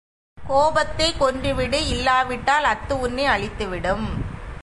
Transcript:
கோபத்தைக் கொன்றுவிடு இல்லாவிட்டால் அஃது உன்னை அழித்து விடும்.